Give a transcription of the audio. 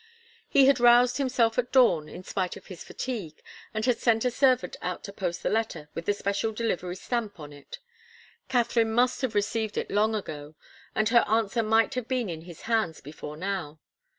He had roused himself at dawn, in spite of his fatigue, and had sent a servant out to post the letter with the special delivery stamp on it. Katharine must have received it long ago, and her answer might have been in his hands before now.